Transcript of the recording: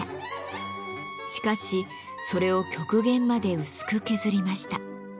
しかしそれを極限まで薄く削りました。